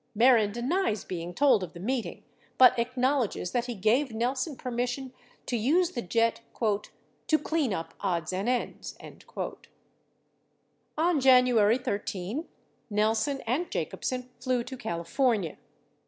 37 Mehren denies being told of the meeting but acknowledges that he gave Nelson permission to use the jet "to clean up odds and ends." 38 On January 13, Nelson and Jacobsen flew to California.